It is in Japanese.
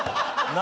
何？